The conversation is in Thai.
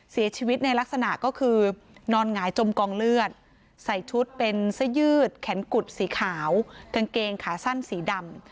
เสียชีวิตในลักษณะก็คือนอนหงายจมกองเลือดใส่ชุดเป็นเสื้อยืดแขนกุดสีขาวกางเกงขาสั้นสีดำ